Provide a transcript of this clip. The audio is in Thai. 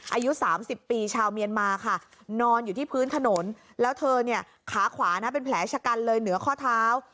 อายุ๓๐ปีชาวเมียนมาค่ะนอนอยู่ที่พื้นถนนแล้วเธอเนี่ยขาขวานะเป็นแผลชะกันเลยเหนือข้อเท้า